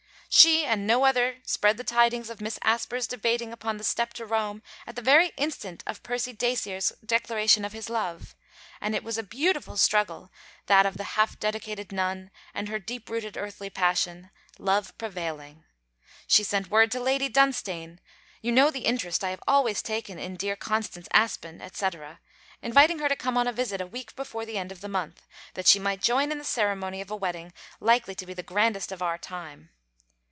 She and no other spread the tidings of Miss Asper's debating upon the step to Rome at the very instant of Percy Dacier's declaration of his love; and it was a beautiful struggle, that of the half dedicated nun and her deep rooted earthly passion, love prevailing! She sent word to Lady Dunstane: 'You know the interest I have always taken in dear Constance Aspen' etc.; inviting her to come on a visit a week before the end of the month, that she might join in the ceremony of a wedding 'likely to be the grandest of our time.'